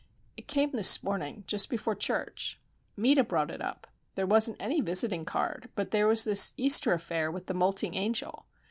"It came this morning, just before church. Meta brought it up. There wasn't any visiting card, but there was this Easter affair with the moulting angel.